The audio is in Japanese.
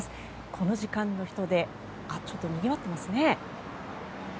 この時間の人出ちょっとにぎわってますね。